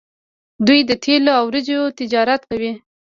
دوی د تیلو او وریجو تجارت کوي.